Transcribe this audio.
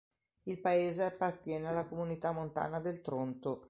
Il paese appartiene alla Comunità Montana del Tronto.